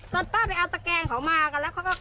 สามสองอ่ะก็เลยเอ้อมาได้ยินมา